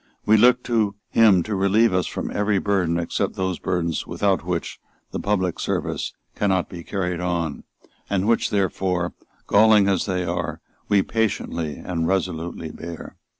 We look to him to relieve us from every burden except those burdens without which the public service cannot be carried on, and which therefore, galling as they are, we patiently and resolutely bear.